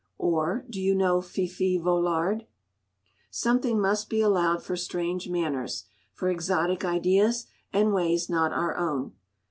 Or do you know Fifi Vollard? Something must be allowed for strange manners, for exotic ideas, and ways not our own.